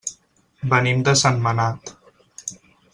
Venim de Sentmenat.